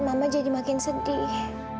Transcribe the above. mama jadi makin sedih